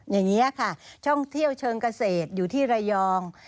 อย่างนี้ค่ะท่องเที่ยวเชิงเกษตรอยู่ที่ระยอง